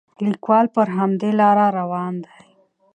لیکوال پر همدې لاره روان دی.